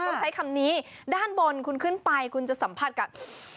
ต้องใช้คำนี้ด้านบนคุณขึ้นไปคุณจะสัมผัสกับ